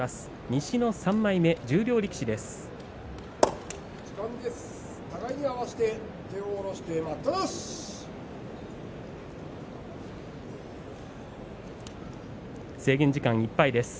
西の３枚目、十両力士です。